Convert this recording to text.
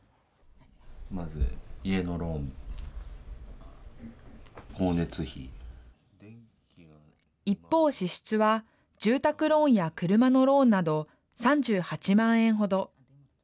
まず家のローン、一方、支出は住宅ローンや車のローンなど、３８万円ほど。